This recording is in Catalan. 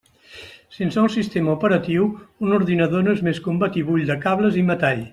Sense un sistema operatiu, un ordinador no és més que un batibull de cables i metall.